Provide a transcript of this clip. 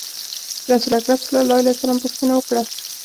رسول اکرم صلی الله علیه وسلم پوښتنه وکړه.